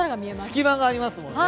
隙間がありますもんね。